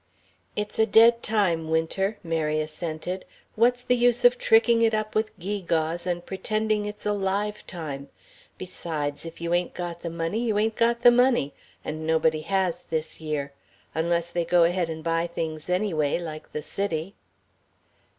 "It's a dead time, Winter," Mary assented. "What's the use of tricking it up with gewgaws and pretending it's a live time? Besides, if you ain't got the money, you ain't got the money. And nobody has, this year. Unless they go ahead and buy things anyway, like the City."